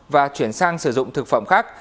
và chuyển sang sử dụng thực phẩm khác